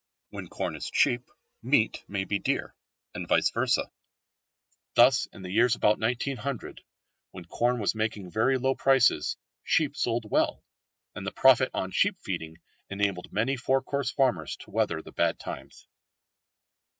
When corn is cheap, meat may be dear, and vice versâ. Thus in the years about 1900, when corn was making very low prices, sheep sold well, and the profit on sheep feeding enabled many four course farmers to weather the bad times.